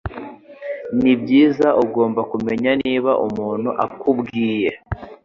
Nibyiza ugomba kumenya niba umuntu akubwiye